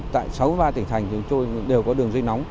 tại sáu mươi ba tỉnh thành đều có đường dây nóng